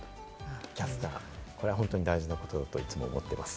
キャスター、これは本当に大事なことだと、いつも思ってます。